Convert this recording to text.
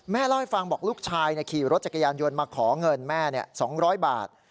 เล่าให้ฟังบอกลูกชายขี่รถจักรยานยนต์มาขอเงินแม่๒๐๐บาท